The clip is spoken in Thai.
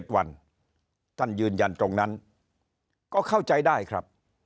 ๗วันท่านยืนยันตรงนั้นก็เข้าใจได้ครับ